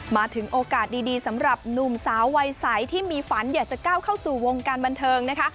มาถึงโอกาสดีสำหรับหนุ่มสาววัยใสที่มีฝันอยากจะก้าวเข้าสู่วงการบันเทิงนะคะ